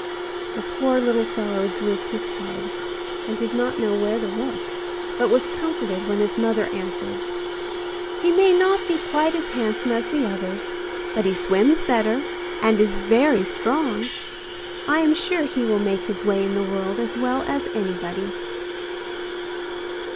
The poor little fellow drooped his head, and did not know where to look, but was comforted when his mother answered: 'He may not be quite as handsome as the others, but he swims better, and is very strong; I am sure he will make his way in the world as well as anybody.